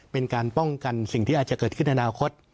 เป็นการป้องกันสิ่งที่อาจจะเกิดขึ้นในอนาคต